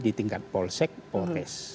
di tingkat polsek polpes